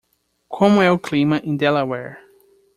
Como é o clima em Delaware?